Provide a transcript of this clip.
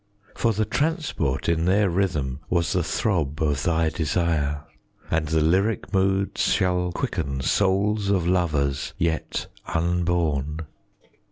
For the transport in their rhythm Was the throb of thy desire, And thy lyric moods shall quicken 35 Souls of lovers yet unborn.